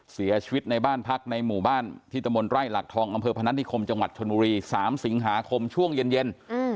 เสียชีวิตในบ้านพักในหมู่บ้านที่ตะมนต์ไร่หลักทองอำเภอพนัฐนิคมจังหวัดชนบุรี๓สิงหาคมช่วงเย็น